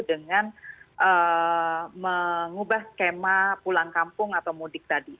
dengan mengubah skema pulang kampung atau mudik tadi